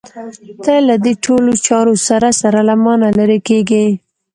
ته له دې ټولو چارو سره سره له مانه لرې کېږې.